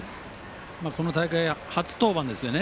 この大会、初登板ですよね。